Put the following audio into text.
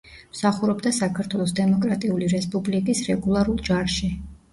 მსახურობდა საქართველოს დემოკრატიული რესპუბლიკის რეგულარულ ჯარში.